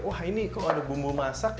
wah ini kok ada bumbu masak